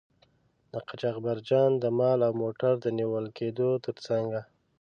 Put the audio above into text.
د قاچاقبرجان د مال او موټر د نیول کیدو تر څنګه.